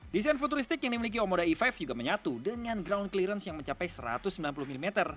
desain futuristik yang dimiliki omoda e lima juga menyatu dengan ground clearance yang mencapai satu ratus sembilan puluh mm